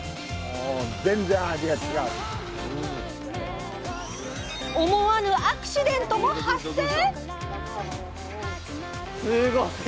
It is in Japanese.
もう思わぬアクシデントも発生？